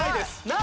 何？